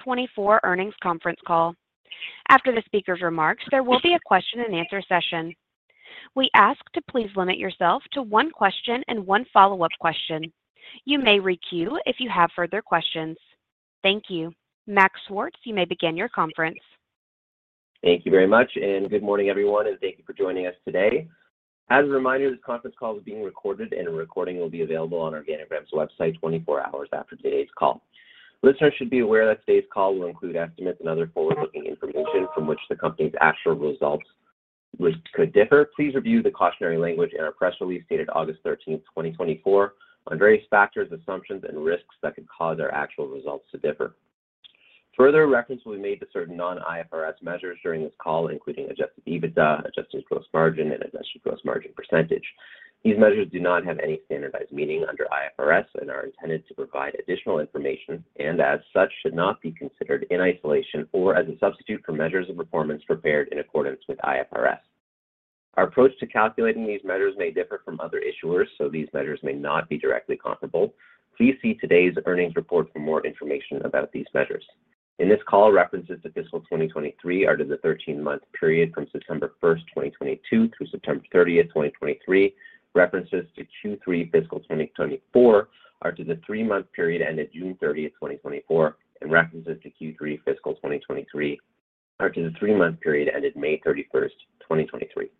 2024 earnings conference call. After the speaker's remarks, there will be a question-and-answer session. We ask to please limit yourself to one question and one follow-up question. You may re-queue if you have further questions. Thank you. Max Schwartz, you may begin your conference. Thank you very much, and good morning, everyone, and thank you for joining us today. As a reminder, this conference call is being recorded, and the recording will be available on Organigram's website 24 hours after today's call. Listeners should be aware that today's call will include estimates and other forward-looking information from which the company's actual results could differ. Please review the cautionary language in our press release dated August 13th, 2024, on various factors, assumptions, and risks that could cause our actual results to differ. Further reference will be made to certain non-IFRS measures during this call, including adjusted EBITDA, adjusted gross margin, and adjusted gross margin percentage. These measures do not have any standardized meaning under IFRS and are intended to provide additional information and, as such, should not be considered in isolation or as a substitute for measures of performance prepared in accordance with IFRS. Our approach to calculating these measures may differ from other issuers, so these measures may not be directly comparable. Please see today's earnings report for more information about these measures. In this call, references to fiscal 2023 are to the 13th-month period from September 1st, 2022, through September 30th, 2023. References to Q3 fiscal 2024 are to the 3-month period ended June 30th, 2024, and references to Q3 fiscal 2023 are to the 3-month period ended May 31st, 2023.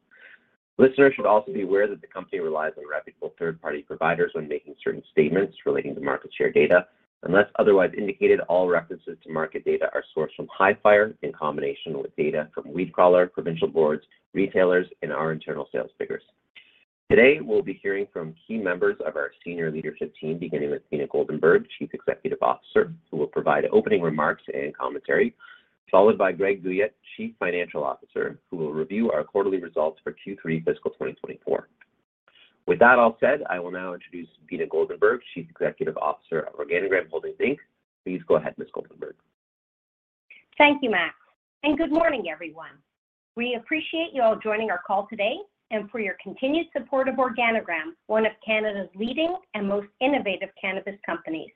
Listeners should also be aware that the company relies on reputable third-party providers when making certain statements relating to market share data. Unless otherwise indicated, all references to market data are sourced from High Fire in combination with data from Weedcrawler, Provincial Boards, retailers, and our internal sales figures. Today, we'll be hearing from key members of our senior leadership team, beginning with Beena Goldenberg, Chief Executive Officer, who will provide opening remarks and commentary, followed by Greg Guyatt, Chief Financial Officer, who will review our quarterly results for Q3 fiscal 2024. With that all said, I will now introduce Beena Goldenberg, Chief Executive Officer of Organigram Holdings. Please go ahead, Ms. Goldenberg. Thank you, Max, and good morning, everyone. We appreciate you all joining our call today and for your continued support of Organigram, one of Canada's leading and most innovative cannabis companies.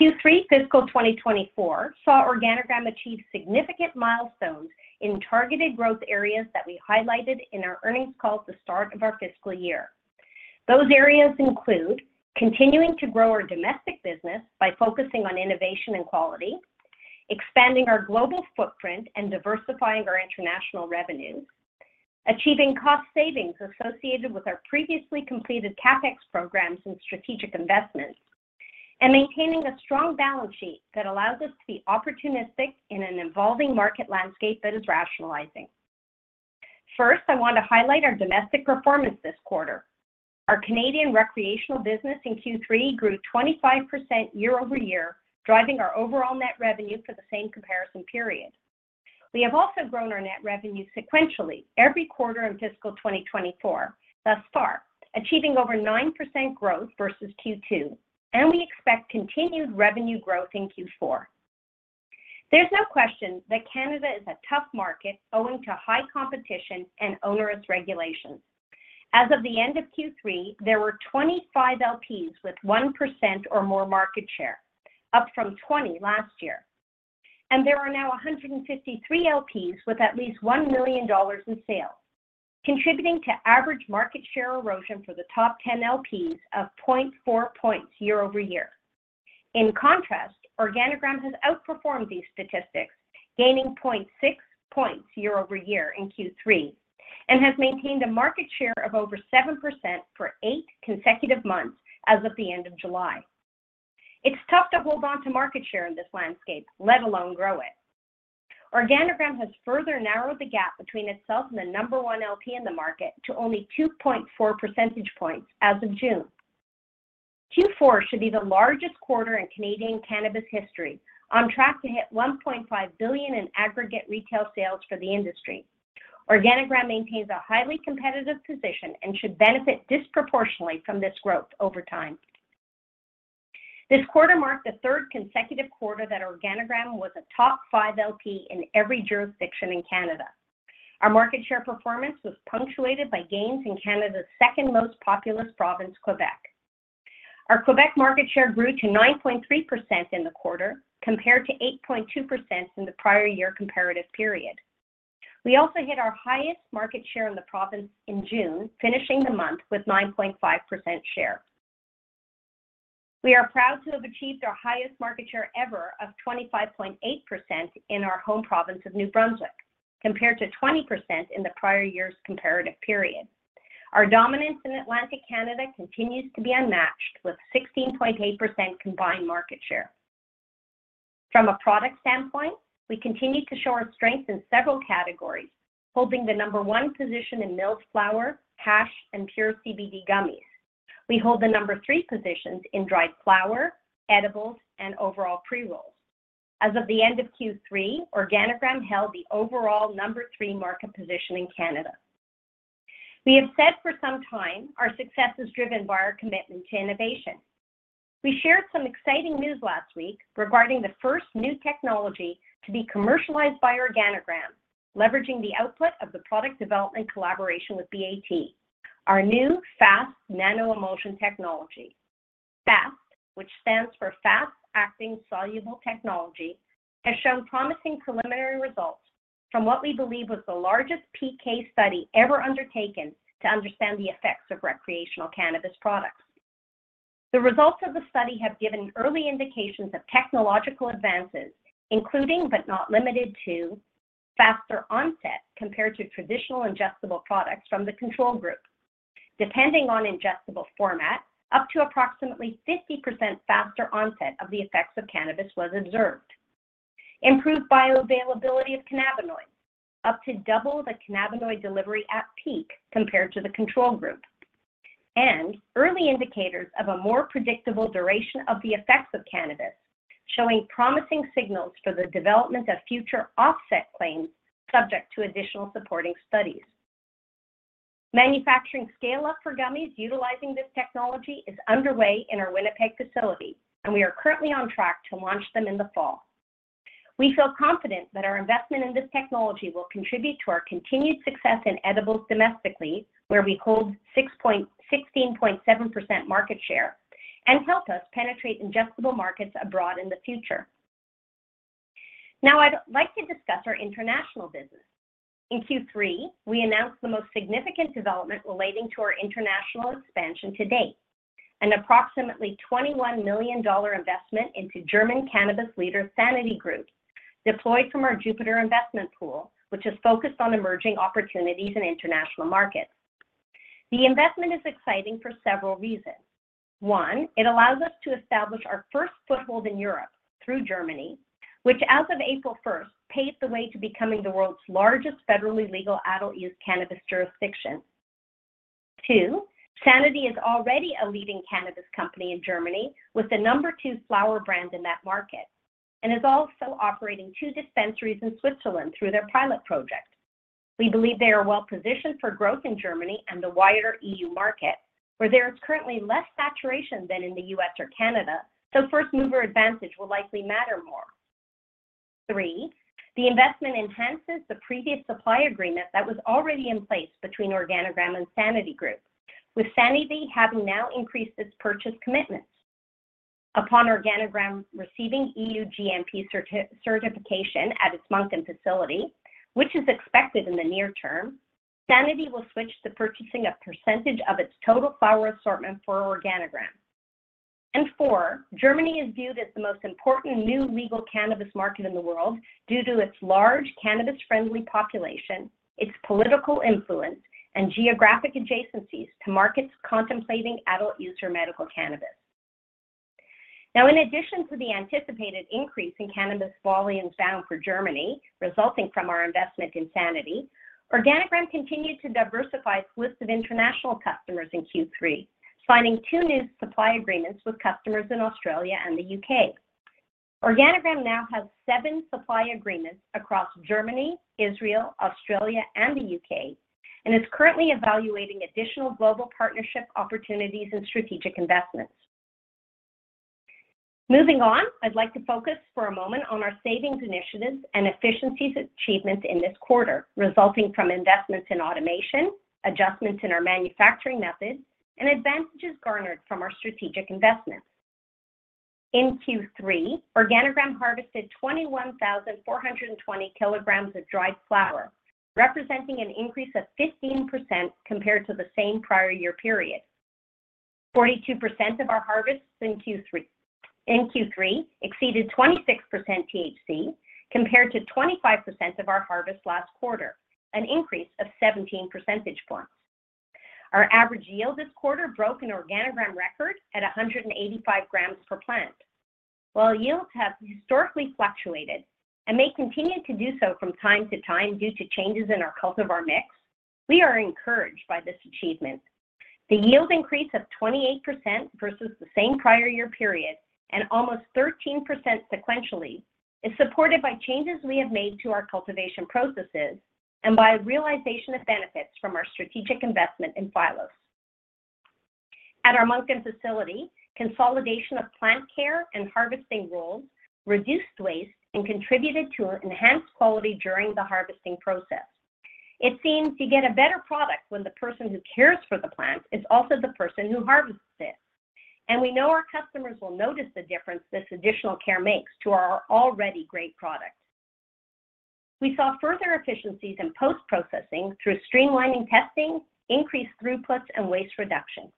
Q3 fiscal 2024 saw Organigram achieve significant milestones in targeted growth areas that we highlighted in our earnings call at the start of our fiscal year. Those areas include continuing to grow our domestic business by focusing on innovation and quality, expanding our global footprint and diversifying our international revenues, achieving cost savings associated with our previously completed CapEx programs and strategic investments, and maintaining a strong balance sheet that allows us to be opportunistic in an evolving market landscape that is rationalizing. First, I want to highlight our domestic performance this quarter. Our Canadian recreational business in Q3 grew 25% year-over-year, driving our overall net revenue for the same comparison period. We have also grown our net revenue sequentially every quarter in fiscal 2024, thus far achieving over 9% growth versus Q2, and we expect continued revenue growth in Q4. There is no question that Canada is a tough market owing to high competition and onerous regulations. As of the end of Q3, there were 25 LPs with 1% or more market share, up from 20 last year, and there are now 153 LPs with at least $1 million in sales, contributing to average market share erosion for the top 10 LPs of 0.4.0 over year. In contrast, Organigram has outperformed these statistics, gaining 0.6.0 over year in Q3 and has maintained a market share of over 7% for eight consecutive months as of the end of July. It is tough to hold on to market share in this landscape, let alone grow it. Organigram has further narrowed the gap between itself and the number one LP in the market to only 2.4 percentage points as of June. Q4 should be the largest quarter in Canadian cannabis history, on track to hit $1.5 billion in aggregate retail sales for the industry. Organigram maintains a highly competitive position and should benefit disproportionately from this growth over time. This quarter marked the third consecutive quarter that Organigram was a top five LP in every jurisdiction in Canada. Our market share performance was punctuated by gains in Canada's second most populous province, Quebec. Our Quebec market share grew to 9.3% in the quarter, compared to 8.2% in the prior year comparative period. We also hit our highest market share in the province in June, finishing the month with 9.5% share. We are proud to have achieved our highest market share ever of 25.8% in our home province of New Brunswick, compared to 20% in the prior year's comparative period. Our dominance in Atlantic Canada continues to be unmatched, with 16.8% combined market share. From a product standpoint, we continue to show our strength in several categories, holding the number one position in milled flour, hash, and Pure CBD Gummies. We hold the number three positions in dried flour, edibles, and overall pre-rolls. As of the end of Q3, Organigram held the overall number three market position in Canada. We have said for some time our success is driven by our commitment to innovation. We shared some exciting news last week regarding the first new technology to be commercialized by Organigram, leveraging the output of the product development collaboration with BAT, our new FAST nanoemulsion technology. FAST, which stands for Fast Acting Soluble Technology, has shown promising preliminary results from what we believe was the largest PK study ever undertaken to understand the effects of recreational cannabis products. The results of the study have given early indications of technological advances, including but not limited to faster onset compared to traditional ingestible products from the control group. Depending on ingestible format, up to approximately 50% faster onset of the effects of cannabis was observed. Improved bioavailability of cannabinoids, up to double the cannabinoid delivery at peak compared to the control group, and early indicators of a more predictable duration of the effects of cannabis, showing promising signals for the development of future offset claims subject to additional supporting studies. Manufacturing scale-up for gummies utilizing this technology is underway in our Winnipeg facility, and we are currently on track to launch them in the fall. We feel confident that our investment in this technology will contribute to our continued success in edibles domestically, where we hold 16.7% market share, and help us penetrate ingestible markets abroad in the future. Now, I'd like to discuss our international business. In Q3, we announced the most significant development relating to our international expansion to date, an approximately $21 million investment into German cannabis leader Sanity Group, deployed from our Jupiter investment pool, which is focused on emerging opportunities in international markets. The investment is exciting for several reasons. One, it allows us to establish our first foothold in Europe through Germany, which, as of April 1st, paved the way to becoming the world's largest federally legal adult-use cannabis jurisdiction. Two, Sanity is already a leading cannabis company in Germany with the number two flower brand in that market and is also operating two dispensaries in Switzerland through their pilot project. We believe they are well positioned for growth in Germany and the wider EU market, where there is currently less saturation than in the U.S. or Canada, so first-mover advantage will likely matter more. Three, the investment enhances the previous supply agreement that was already in place between Organigram and Sanity Group, with Sanity having now increased its purchase commitments. Upon Organigram receiving EU GMP certification at its Munchkin facility, which is expected in the near term, Sanity will switch to purchasing a percentage of its total flower assortment from Organigram. Germany is viewed as the most important new legal cannabis market in the world due to its large cannabis-friendly population, its political influence, and geographic adjacencies to markets contemplating adult-use or medical cannabis. Now, in addition to the anticipated increase in cannabis volumes bound for Germany, resulting from our investment in Sanity Group, Organigram continued to diversify its list of international customers in Q3, signing two new supply agreements with customers in Australia and the U.K. Organigram now has seven supply agreements across Germany, Israel, Australia, and the U.K., and is currently evaluating additional global partnership opportunities and strategic investments. Moving on, I'd like to focus for a moment on our savings initiatives and efficiencies achievements in this quarter, resulting from investments in automation, adjustments in our manufacturing methods, and advantages garnered from our strategic investments. In Q3, Organigram harvested 21,420 kg of dried flower, representing an increase of 15% compared to the same prior year period. 42% of our harvests in Q3 exceeded 26% THC, compared to 25% of our harvest last quarter, an increase of 17 percentage points. Our average yield this quarter broke an Organigram record at 185 g per plant. While yields have historically fluctuated and may continue to do so from time to time due to changes in our cultivar mix, we are encouraged by this achievement. The yield increase of 28% versus the same prior year period and almost 13% sequentially is supported by changes we have made to our cultivation processes and by a realization of benefits from our strategic investment in Phyllo. At our Munchkin facility, consolidation of plant care and harvesting rules reduced waste and contributed to enhanced quality during the harvesting process. It seems you get a better product when the person who cares for the plant is also the person who harvests it, and we know our customers will notice the difference this additional care makes to our already great product. We saw further efficiencies in post-processing through streamlining testing, increased throughput, and waste reduction.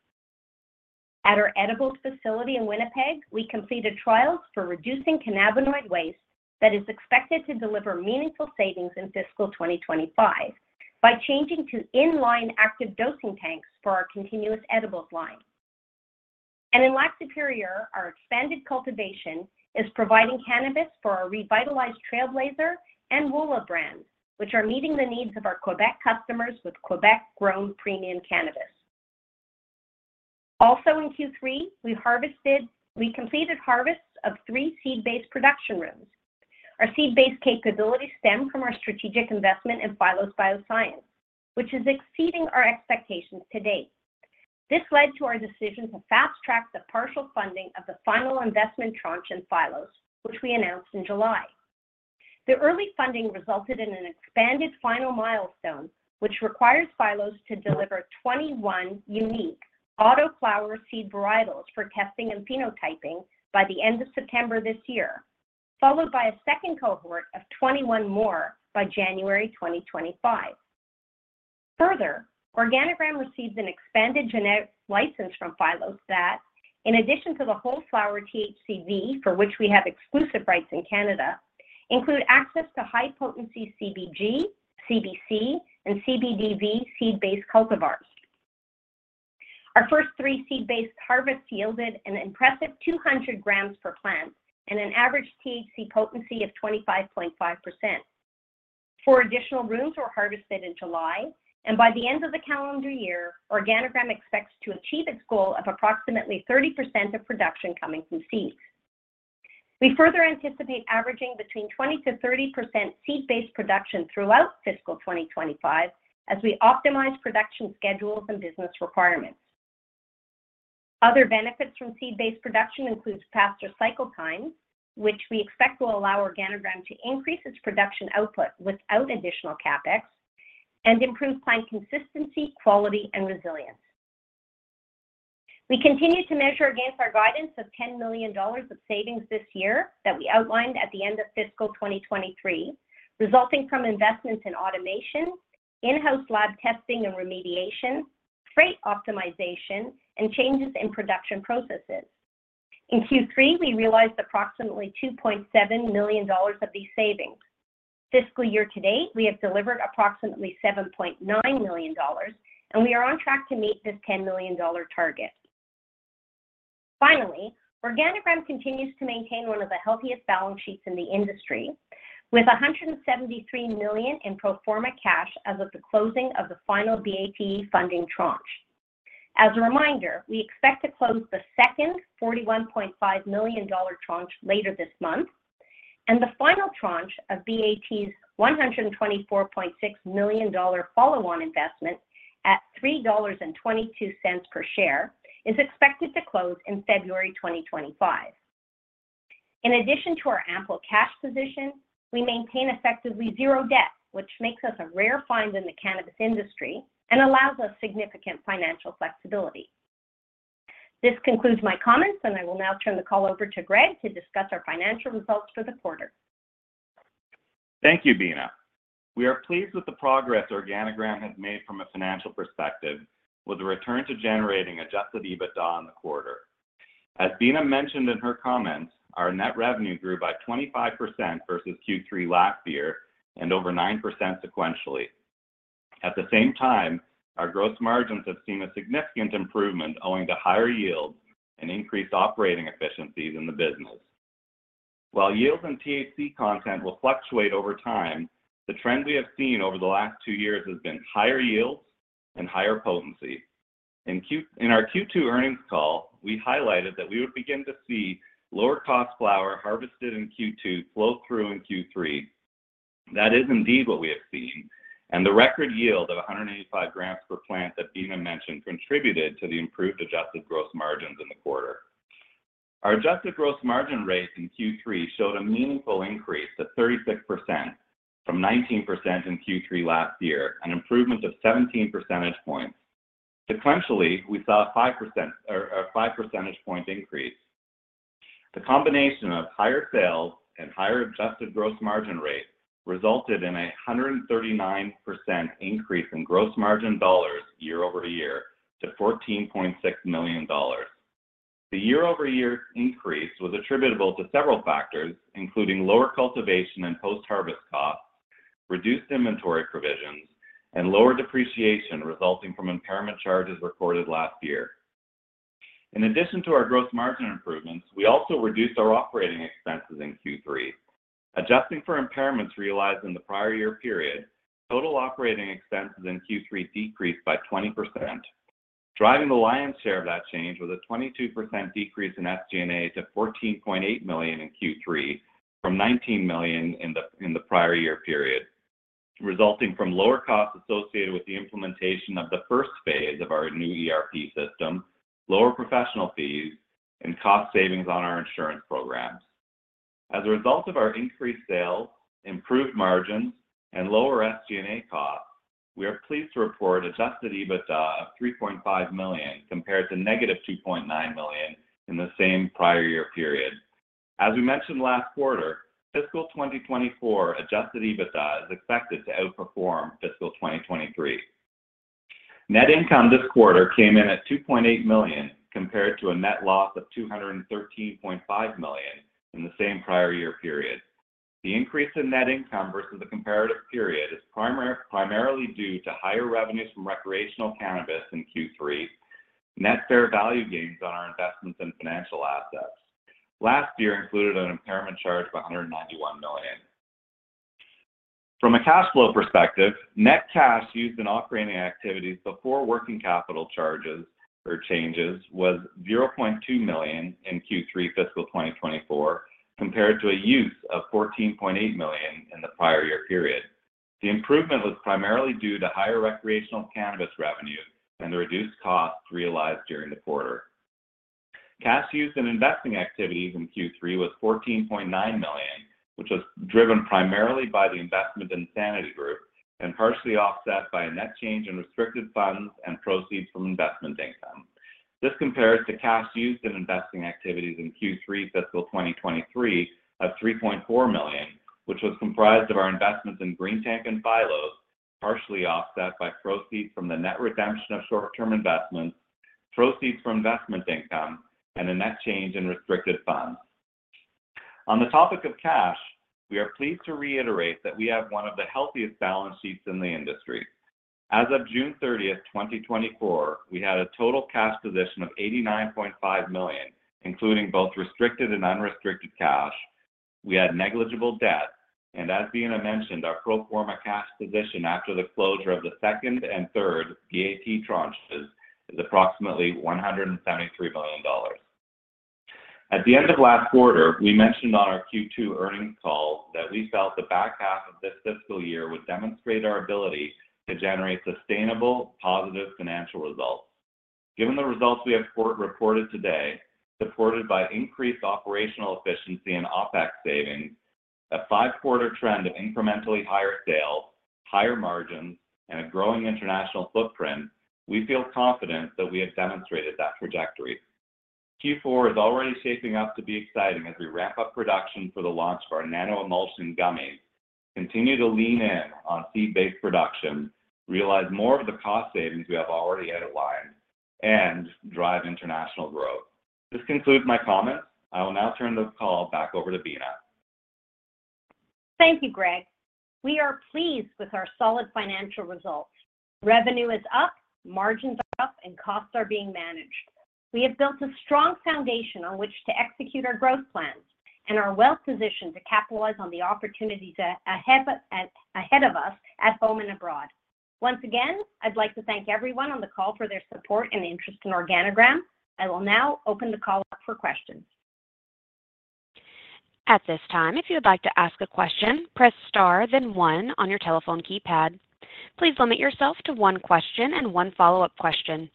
At our edible facility in Winnipeg, we completed trials for reducing cannabinoid waste that is expected to deliver meaningful savings in fiscal 2025 by changing to in-line active dosing tanks for our continuous edibles line. In Lac-Superieur, our expanded cultivation is providing cannabis for our revitalized Trailblazer and Woolla brands, which are meeting the needs of our Quebec customers with Quebec-grown premium cannabis. Also in Q3, we completed harvests of three seed-based production rooms. Our seed-based capabilities stem from our strategic investment in Phyllo Bioscience, which is exceeding our expectations to date. This led to our decision to fast-track the partial funding of the final investment tranche in Phyllo, which we announced in July. The early funding resulted in an expanded final milestone, which requires Phyllo's to deliver 21 unique autoflower seed varietals for testing and phenotyping by the end of September this year, followed by a second cohort of 21 more by January 2025. Further, Organigram received an expanded genetic license from Phyllo's that, in addition to the whole flower THCV, for which we have exclusive rights in Canada, includes access to high-potency CBG, CBC, and CBDV seed-based cultivars. Our first three seed-based harvests yielded an impressive 200 g per plant and an average THC potency of 25.5%. Four additional rooms were harvested in July, and by the end of the calendar year, Organigram expects to achieve its goal of approximately 30% of production coming from seeds. We further anticipate averaging between 20%-30% seed-based production throughout fiscal 2025 as we optimize production schedules and business requirements. Other benefits from seed-based production include faster cycle times, which we expect will allow Organigram to increase its production output without additional CapEx, and improve plant consistency, quality, and resilience. We continue to measure against our guidance of $10 million of savings this year that we outlined at the end of fiscal 2023, resulting from investments in automation, in-house lab testing and remediation, freight optimization, and changes in production processes. In Q3, we realized approximately $2.7 million of these savings. Fiscal year to date, we have delivered approximately $7.9 million, and we are on track to meet this $10 million target. Finally, Organigram continues to maintain one of the healthiest balance sheets in the industry, with $173 million in pro forma cash as of the closing of the final BAT funding tranche. As a reminder, we expect to close the second $41.5 million tranche later this month, and the final tranche of BAT's $24.6 million follow-on investment at $3.22 per share is expected to close in February 2025. In addition to our ample cash position, we maintain effectively zero debt, which makes us a rare find in the cannabis industry and allows us significant financial flexibility. This concludes my comments, and I will now turn the call over to Greg to discuss our financial results for the quarter. Thank you, Beena. We are pleased with the progress Organigram has made from a financial perspective, with a return to generating adjusted EBITDA in the quarter. As Beena mentioned in her comments, our net revenue grew by 25% versus Q3 last year and over 9% sequentially. At the same time, our gross margins have seen a significant improvement, owing to higher yields and increased operating efficiencies in the business. While yields and THC content will fluctuate over time, the trend we have seen over the last two years has been higher yields and higher potency. In our Q2 earnings call, we highlighted that we would begin to see lower-cost flower harvested in Q2 flow through in Q3. That is indeed what we have seen, and the record yield of 185 g per plant that Beena mentioned contributed to the improved adjusted gross margins in the quarter. Our adjusted gross margin rate in Q3 showed a meaningful increase of 36% from 19% in Q3 last year, an improvement of 17 percentage points. Sequentially, we saw a five percentage point increase. The combination of higher sales and higher adjusted gross margin rate resulted in a 139% increase in gross margin dollars year-over-year to $14.6 million. The year-over-year increase was attributable to several factors, including lower cultivation and post-harvest costs, reduced inventory provisions, and lower depreciation resulting from impairment charges recorded last year. In addition to our gross margin improvements, we also reduced our operating expenses in Q3. Adjusting for impairments realized in the prior year period, total operating expenses in Q3 decreased by 20%. Driving the lion's share of that change was a 22% decrease in SG&A to $4.8 million in Q3 from $19 million in the prior year period, resulting from lower costs associated with the implementation of the first phase of our new ERP system, lower professional fees, and cost savings on our insurance programs. As a result of our increased sales, improved margins, and lower SG&A costs, we are pleased to report adjusted EBITDA of $3.5 million compared to negative $2.9 million in the same prior year period. As we mentioned last quarter, fiscal 2024 adjusted EBITDA is expected to outperform fiscal 2023. Net income this quarter came in at $2.8 million compared to a net loss of $213.5 million in the same prior year period. The increase in net income versus the comparative period is primarily due to higher revenues from recreational cannabis in Q3, net fair value gains on our investments in financial assets. Last year included an impairment charge of $191 million. From a cash flow perspective, net cash used in operating activities before working capital changes was $0.2 million in Q3 fiscal 2024 compared to a use of $14.8 million in the prior year period. The improvement was primarily due to higher recreational cannabis revenues and the reduced costs realized during the quarter. Cash used in investing activities in Q3 was $14.9 million, which was driven primarily by the investment in Sanity Group and partially offset by a net change in restricted funds and proceeds from investment income. This compares to cash used in investing activities in Q3 fiscal 2023 of $3.4 million, which was comprised of our investments in Green Tank and Phyllo, partially offset by proceeds from the net redemption of short-term investments, proceeds from investment income, and a net change in restricted funds. On the topic of cash, we are pleased to reiterate that we have one of the healthiest balance sheets in the industry. As of June 30th, 2024, we had a total cash position of $89.5 million, including both restricted and unrestricted cash. We had negligible debt, and as Beena mentioned, our pro forma cash position after the closure of the second and third BAT tranches is approximately $173 million. At the end of last quarter, we mentioned on our Q2 earnings call that we felt the back half of this fiscal year would demonstrate our ability to generate sustainable, positive financial results. Given the results we have reported today, supported by increased operational efficiency and OpEx savings, a five-quarter trend of incrementally higher sales, higher margins, and a growing international footprint, we feel confident that we have demonstrated that trajectory. Q4 is already shaping up to be exciting as we ramp up production for the launch of our nanoemulsion gummies, continue to lean in on seed-based production, realize more of the cost savings we have already outlined, and drive international growth. This concludes my comments. I will now turn the call back over to Beena. Thank you, Greg. We are pleased with our solid financial results. Revenue is up, margins are up, and costs are being managed. We have built a strong foundation on which to execute our growth plans and are well positioned to capitalize on the opportunities ahead of us at home and abroad. Once again, I'd like to thank everyone on the call for their support and interest in Organigram. I will now open the call up for questions. At this time, if you would like to ask a question, press star, then one on your telephone keypad. Please limit yourself to one question and one follow-up question.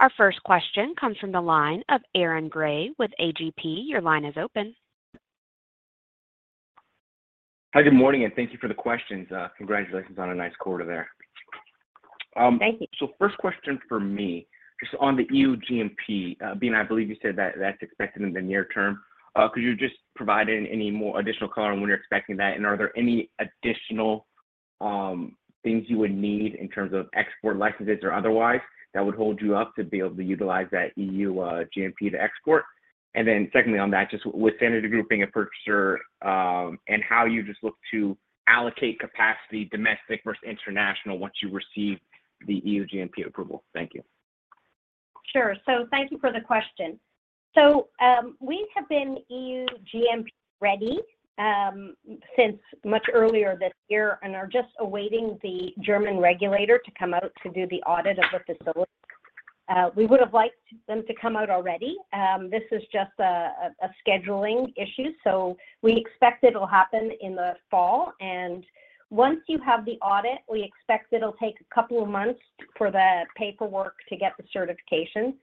Our first question comes from the line of Aaron Grey with AGP. Your line is open. Hi, good morning, and thank you for the questions. Congratulations on a nice quarter there. Thank you. First question for me, just on the EU GMP, Beena, I believe you said that that's expected in the near term. Could you just provide any more additional color on when you're expecting that, and are there any additional things you would need in terms of export licenses or otherwise that would hold you up to be able to utilize that EU GMP to export? Secondly on that, just with Sanity Group being a purchaser and how you just look to allocate capacity domestic versus international once you receive the EU GMP approval. Thank you. Sure. Thank you for the question. We have been EU GMP ready since much earlier this year and are just awaiting the German regulator to come out to do the audit of the facility. We would have liked them to come out already. This is just a scheduling issue, so we expect it will happen in the fall. Once you have the audit, we expect it will take a couple of months for the paperwork to get the certification.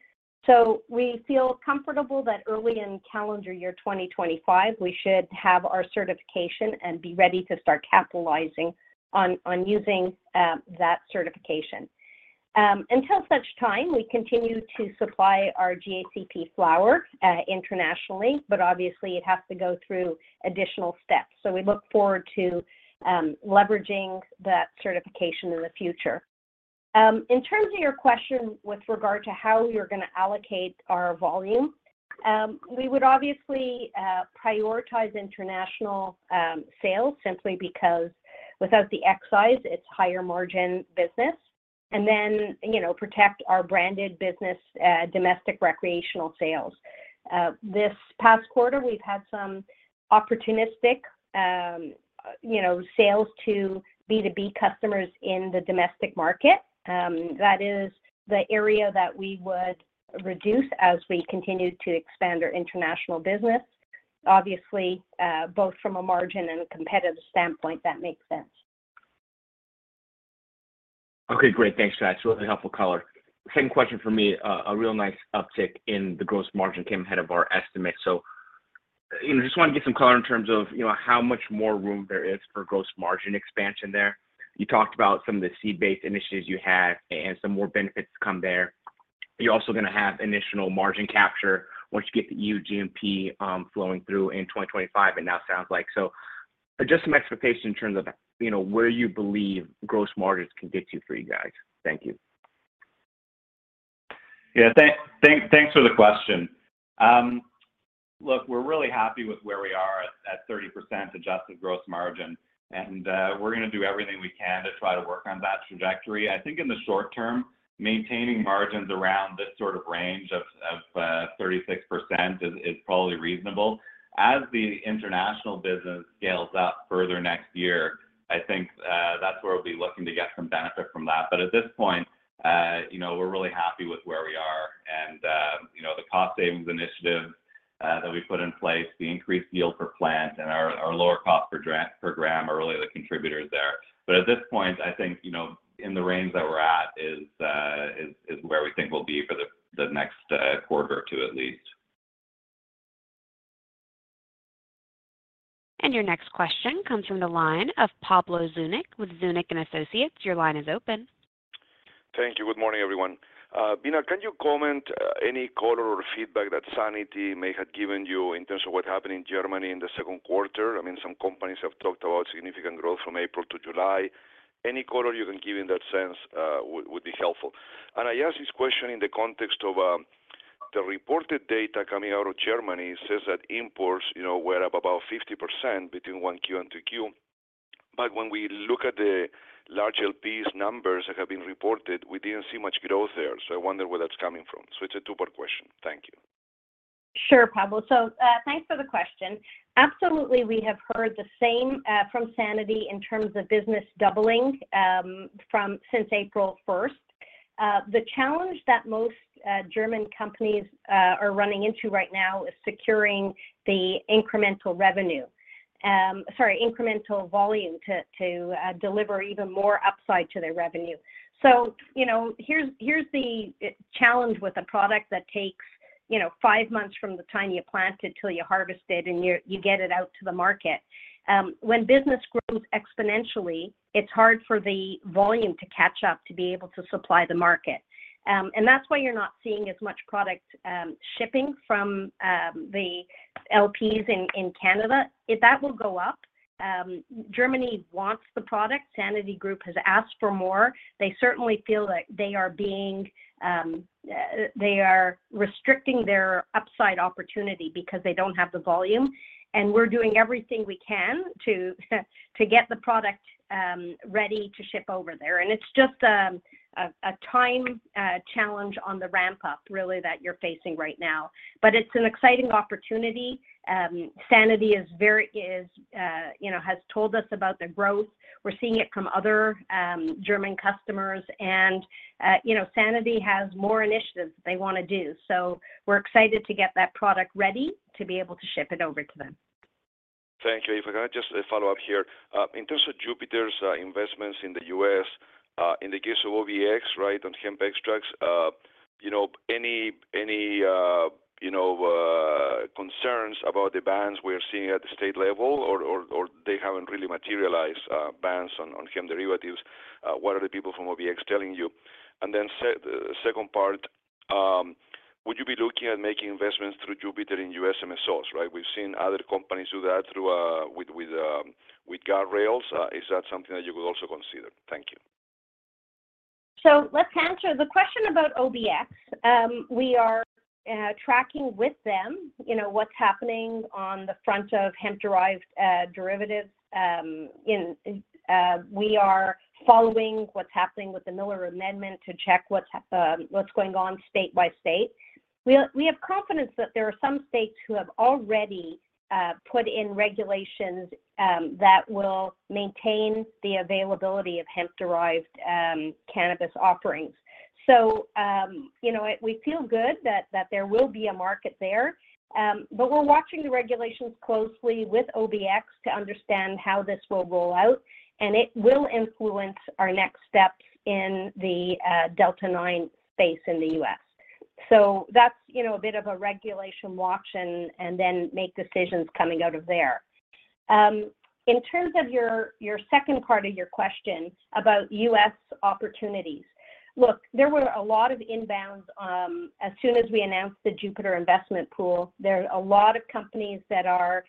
We feel comfortable that early in calendar year 2025, we should have our certification and be ready to start capitalizing on using that certification. Until such time, we continue to supply our GACP flower internationally, but obviously, it has to go through additional steps. We look forward to leveraging that certification in the future. In terms of your question with regard to how we are going to allocate our volume, we would obviously prioritize international sales simply because without the excise, it's higher margin business, and then protect our branded business, domestic recreational sales. This past quarter, we've had some opportunistic sales to B2B customers in the domestic market. That is the area that we would reduce as we continue to expand our international business. Obviously, both from a margin and a competitive standpoint, that makes sense. Okay, great. Thanks for that. It's really helpful color. Second question for me, a real nice uptick in the gross margin came ahead of our estimate. Just wanted to get some color in terms of how much more room there is for gross margin expansion there. You talked about some of the seed-based initiatives you had and some more benefits to come there. You're also going to have additional margin capture once you get the EU GMP flowing through in 2025, it now sounds like. Just some expectations in terms of where you believe gross margins can get you for you guys. Thank you. Yeah, thanks for the question. Look, we're really happy with where we are at 30% adjusted gross margin, and we're going to do everything we can to try to work on that trajectory. I think in the short term, maintaining margins around this sort of range of 36% is probably reasonable. As the international business scales up further next year, I think that's where we'll be looking to get some benefit from that. At this point, we're really happy with where we are, and the cost savings initiatives that we put in place, the increased yield per plant, and our lower cost per gram are really the contributors there. At this point, I think in the range that we're at is where we think we'll be for the next quarter or two at least. Your next question comes from the line of Pablo Zuanic with Zuanic & Associates. Your line is open. Thank you. Good morning, everyone. Beena, can you comment on any color or feedback that Sanity may have given you in terms of what happened in Germany in the second quarter? I mean, some companies have talked about significant growth from April to July. Any color you can give in that sense would be helpful. I ask this question in the context of the reported data coming out of Germany says that imports were up about 50% between 1Q and 2Q, but when we look at the large LPs numbers that have been reported, we did not see much growth there. I wonder where that is coming from? It is a two-part question. Thank you. Sure, Pablo. Thanks for the question. Absolutely, we have heard the same from Sanity in terms of business doubling since April 1st. The challenge that most German companies are running into right now is securing the incremental revenue, sorry, incremental volume to deliver even more upside to their revenue. Here's the challenge with a product that takes five months from the time you plant it till you harvest it and you get it out to the market. When business grows exponentially, it's hard for the volume to catch up to be able to supply the market. That is why you're not seeing as much product shipping from the LPs in Canada. That will go up. Germany wants the product. Sanity Group has asked for more. They certainly feel that they are restricting their upside opportunity because they don't have the volume. We're doing everything we can to get the product ready to ship over there. It's just a time challenge on the ramp-up really that you're facing right now. It is an exciting opportunity. Sanity has told us about the growth. We are seeing it from other German customers, and Sanity has more initiatives they want to do. We are excited to get that product ready to be able to ship it over to them. Thank you. If I can just follow up here, in terms of Jupiter's investments in the U.S., in the case of OVX, right, on chem extracts, any concerns about the bans we are seeing at the state level, or they have not really materialized bans on chem derivatives? What are the people from OVX telling you? The second part, would you be looking at making investments through Jupiter in U.S. MSOs, right? We have seen other companies do that with Guardrails. Is that something that you could also consider? Thank you. Let us answer the question about OVX. We are tracking with them what's happening on the front of hemp-derived derivatives. We are following what's happening with the Miller Amendment to check what's going on state by state. We have confidence that there are some states who have already put in regulations that will maintain the availability of hemp-derived cannabis offerings. We feel good that there will be a market there, but we're watching the regulations closely with OVX to understand how this will roll out, and it will influence our next steps in the Delta-9 space in the U.S. That is a bit of a regulation watch and then make decisions coming out of there. In terms of your second part of your question about U.S. opportunities, look, there were a lot of inbounds as soon as we announced the Jupiter investment pool. There are a lot of companies that are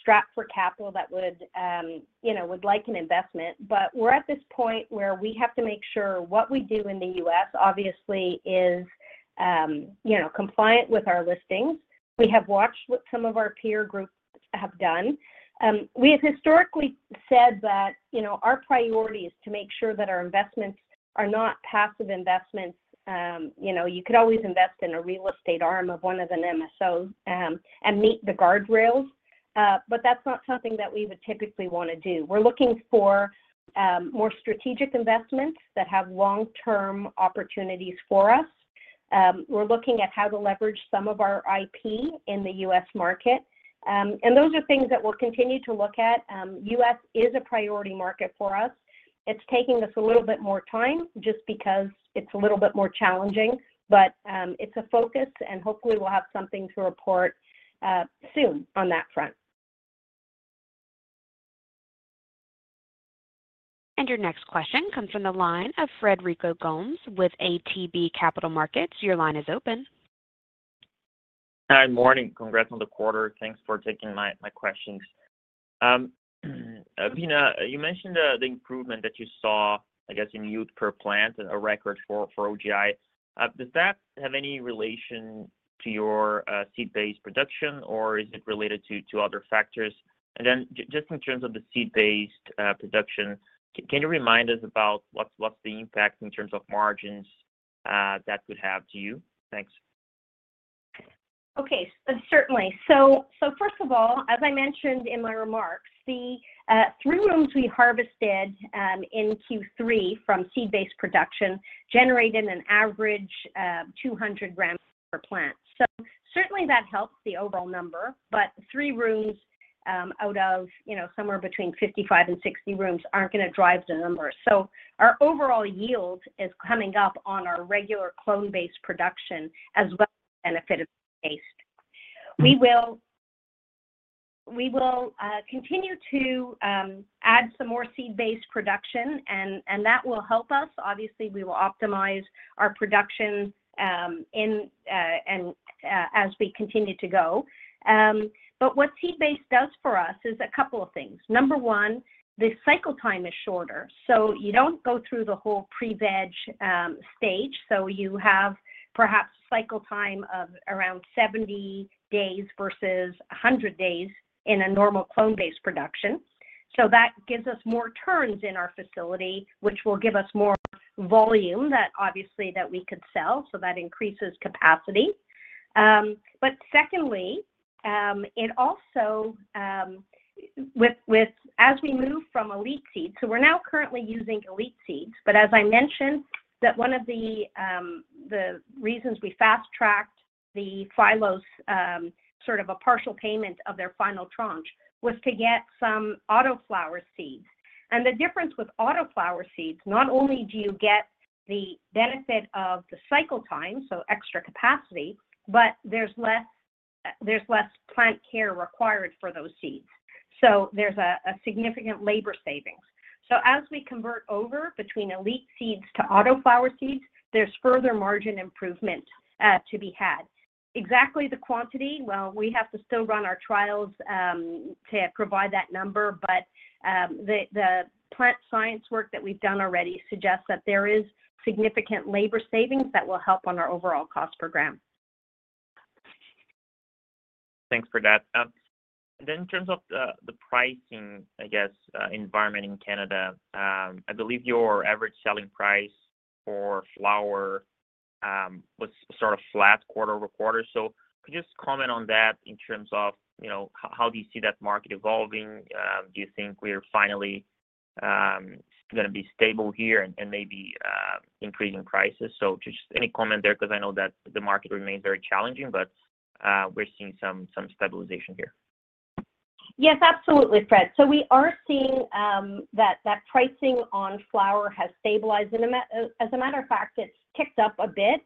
strapped for capital that would like an investment, but we're at this point where we have to make sure what we do in the U.S. obviously is compliant with our listings. We have watched what some of our peer groups have done. We have historically said that our priority is to make sure that our investments are not passive investments. You could always invest in a real estate arm of one of the MSOs and meet the guardrails, but that's not something that we would typically want to do. We're looking for more strategic investments that have long-term opportunities for us. We're looking at how to leverage some of our IP in the U.S. market, and those are things that we'll continue to look at. U.S. is a priority market for us. It's taking us a little bit more time just because it's a little bit more challenging, but it's a focus, and hopefully, we'll have something to report soon on that front. Your next question comes from the line of Frederico Gomes with ATB Capital Markets. Your line is open. Hi, morning. Congrats on the quarter. Thanks for taking my questions. Beena, you mentioned the improvement that you saw, I guess, in yield per plant, a record for OGI. Does that have any relation to your seed-based production, or is it related to other factors? In terms of the seed-based production, can you remind us about what's the impact in terms of margins that could have to you? Thanks. Okay, certainly. First of all, as I mentioned in my remarks, the three rooms we harvested in Q3 from seed-based production generated an average 200 g per plant. Certainly, that helps the overall number, but three rooms out of somewhere between 55-60 rooms are not going to drive the numbers. Our overall yield is coming up on our regular clone-based production as well as seed-based. We will continue to add some more seed-based production, and that will help us. Obviously, we will optimize our production as we continue to go. What seed-based does for us is a couple of things. Number one, the cycle time is shorter. You do not go through the whole pre-veg stage, so you have perhaps a cycle time of around 70 days versus 100 days in a normal clone-based production. That gives us more turns in our facility, which will give us more volume that obviously that we could sell, so that increases capacity. Secondly, it also with as we move from elite seeds, so we're now currently using elite seeds, but as I mentioned, one of the reasons we fast-tracked the Phyllo's, sort of a partial payment of their final tranche, was to get some autoflower seeds. The difference with autoflower seeds, not only do you get the benefit of the cycle time, so extra capacity, but there's less plant care required for those seeds. There's a significant labor savings. As we convert over between elite seeds to autoflower seeds, there's further margin improvement to be had. Exactly the quantity, we have to still run our trials to provide that number, but the plant science work that we've done already suggests that there is significant labor savings that will help on our overall cost per gram. Thanks for that. In terms of the pricing, I guess, environment in Canada, I believe your average selling price for flower was sort of flat quarter over quarter. Could you just comment on that in terms of how do you see that market evolving? Do you think we're finally going to be stable here and maybe increasing prices? Any comment there because I know that the market remains very challenging, but we're seeing some stabilization here. Yes, absolutely, Fred. We are seeing that pricing on flower has stabilized. As a matter of fact, it's ticked up a bit.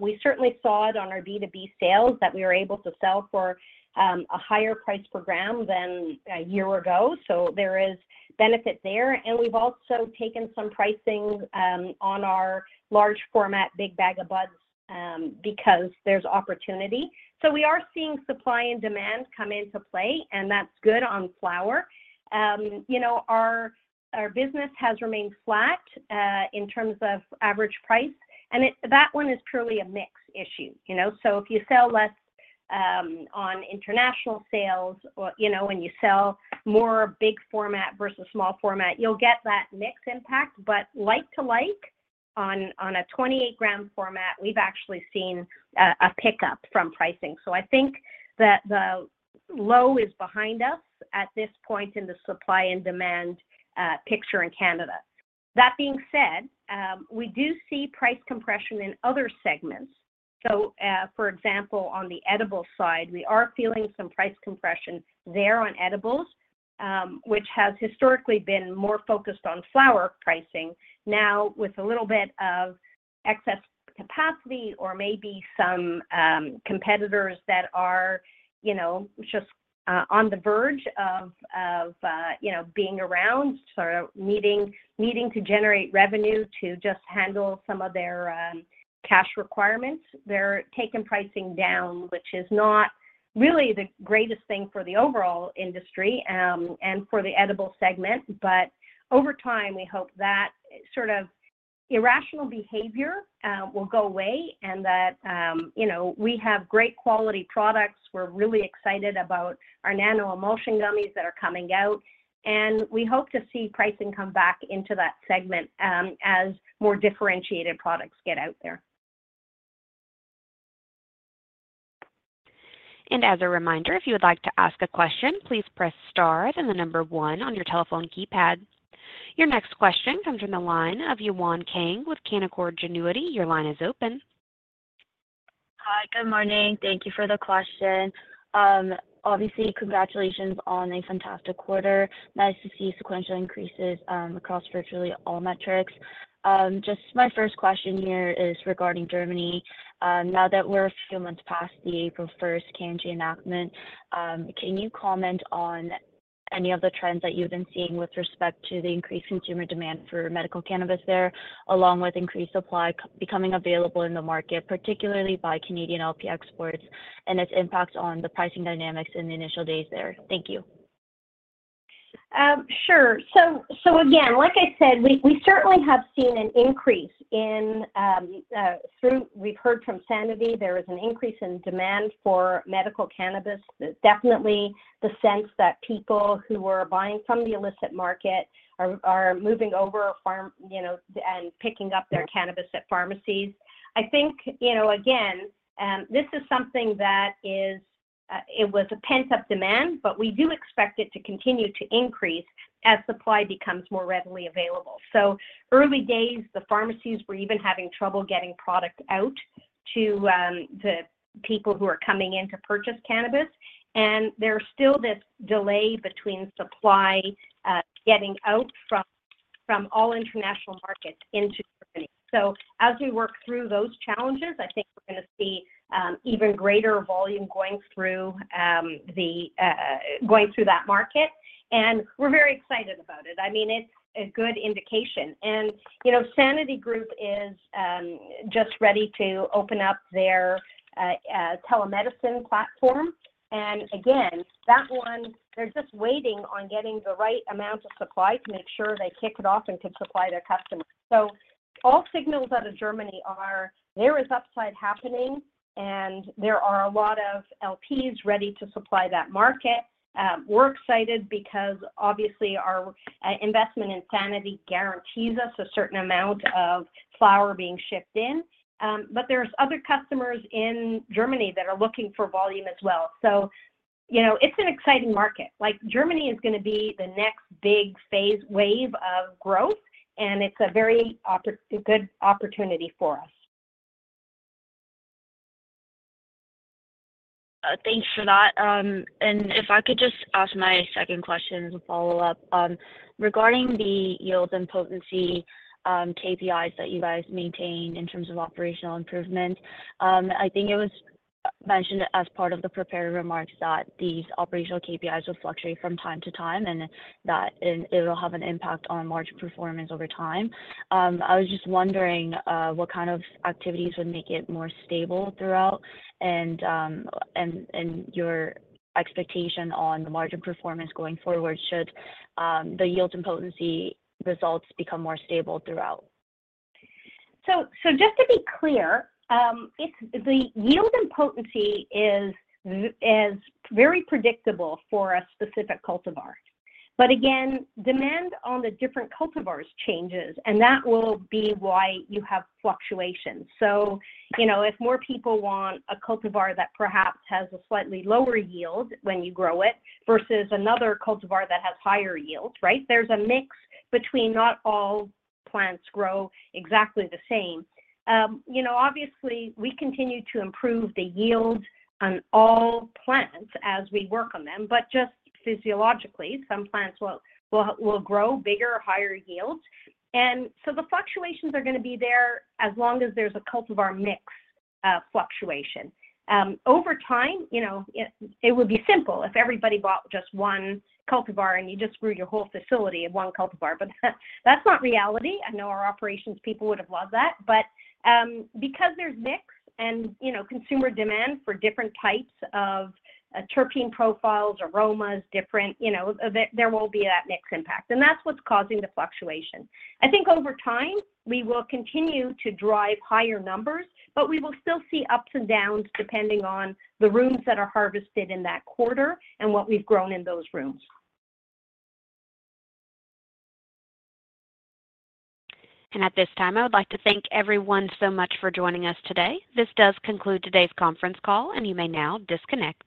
We certainly saw it on our B2B sales that we were able to sell for a higher price per gram than a year ago. There is benefit there. We have also taken some pricing on our large format, Big Bag of Buds because there is opportunity. We are seeing supply and demand come into play, and that is good on flower. Our business has remained flat in terms of average price, and that one is purely a mix issue. If you sell less on international sales and you sell more big format versus small format, you will get that mix impact. Like to like, on a 28 g format, we have actually seen a pickup from pricing. I think that the low is behind us at this point in the supply and demand picture in Canada. That being said, we do see price compression in other segments. For example, on the edible side, we are feeling some price compression there on edibles, which has historically been more focused on flower pricing, now with a little bit of excess capacity or maybe some competitors that are just on the verge of being around, sort of needing to generate revenue to just handle some of their cash requirements. They're taking pricing down, which is not really the greatest thing for the overall industry and for the edible segment. Over time, we hope that sort of irrational behavior will go away and that we have great quality products. We're really excited about our nano-emulsion gummies that are coming out, and we hope to see pricing come back into that segment as more differentiated products get out there. As a reminder, if you would like to ask a question, please press star and the number one on your telephone keypad. Your next question comes from the line of Yewon Kang with Canaccord Genuity. Your line is open. Hi, good morning. Thank you for the question. Obviously, congratulations on a fantastic quarter. Nice to see sequential increases across virtually all metrics. Just my first question here is regarding Germany. Now that we are a few months past the April 1st K&G enactment, can you comment on any of the trends that you have been seeing with respect to the increased consumer demand for medical cannabis there, along with increased supply becoming available in the market, particularly by Canadian LP exports, and its impact on the pricing dynamics in the initial days there? Thank you. Sure. Like I said, we certainly have seen an increase in, through what we've heard from Sanity, there is an increase in demand for medical cannabis. Definitely the sense that people who are buying from the illicit market are moving over and picking up their cannabis at pharmacies. I think, again, this is something that was a pent-up demand, but we do expect it to continue to increase as supply becomes more readily available. Early days, the pharmacies were even having trouble getting product out to the people who were coming in to purchase cannabis, and there's still this delay between supply getting out from all international markets into Germany. As we work through those challenges, I think we're going to see even greater volume going through that market, and we're very excited about it. I mean, it's a good indication. Sanity Group is just ready to open up their telemedicine platform. Again, that one, they're just waiting on getting the right amount of supply to make sure they kick it off and can supply their customers. All signals out of Germany are there is upside happening, and there are a lot of LPs ready to supply that market. We're excited because obviously our investment in Sanity guarantees us a certain amount of flower being shipped in, but there are other customers in Germany that are looking for volume as well. It is an exciting market. Germany is going to be the next big wave of growth, and it's a very good opportunity for us. Thanks for that. If I could just ask my second question as a follow-up regarding the yields and potency KPIs that you guys maintain in terms of operational improvement, I think it was mentioned as part of the prepared remarks that these operational KPIs will fluctuate from time to time and that it will have an impact on margin performance over time. I was just wondering what kind of activities would make it more stable throughout and your expectation on the margin performance going forward should the yields and potency results become more stable throughout. Just to be clear, the yield and potency is very predictable for a specific cultivar. Again, demand on the different cultivars changes, and that will be why you have fluctuations. If more people want a cultivar that perhaps has a slightly lower yield when you grow it versus another cultivar that has higher yield, right? There's a mix between not all plants grow exactly the same. Obviously, we continue to improve the yields on all plants as we work on them, but just physiologically, some plants will grow bigger, higher yields. The fluctuations are going to be there as long as there's a cultivar mix fluctuation. Over time, it would be simple if everybody bought just one cultivar and you just grew your whole facility of one cultivar, but that's not reality. I know our operations people would have loved that. Because there's mix and consumer demand for different types of terpene profiles, aromas, different, there will be that mix impact. That's what's causing the fluctuation. I think over time, we will continue to drive higher numbers, but we will still see ups and downs depending on the rooms that are harvested in that quarter and what we've grown in those rooms. At this time, I would like to thank everyone so much for joining us today. This does conclude today's conference call, and you may now disconnect.